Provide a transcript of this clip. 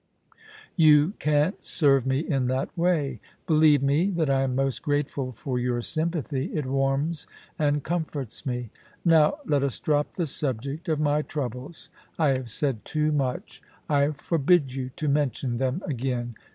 You can't serve me in that way. Believe me, that I am most grateful for your sympathy ; it warms and comforts me. Now, let us drop the subject of my troubles. I have said too much. I I02 POLICY AND PASSION. forbid you to mention them again.